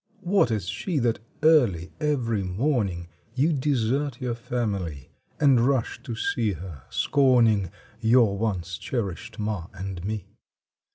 What is she That early every morning You desert your family And rush to see her, scorning Your once cherished ma and me?